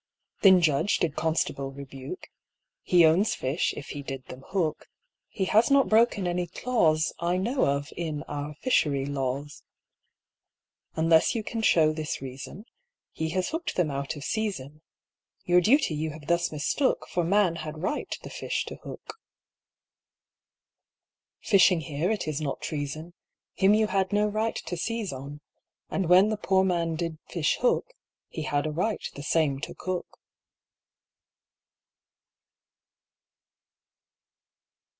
Then judge did constable rebuke, He owns fish if he did them hook, He has not broken any clause I know of in our fishery laws. Unless you can show this reason, He has hooked them out of season, Your duty you have thus mistook, For man had right the fish to hook. Fishing here it is not treason, Him you had no right to seize on, And when the poor man did fish hook, He had a right the same to cook.